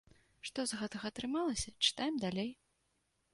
Што з гэтага атрымалася, чытаем далей.